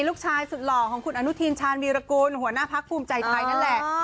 ลูกชายสุดหล่อของคุณอนุทินชาญวีรกูลหัวหน้าพักภูมิใจไทยนั่นแหละ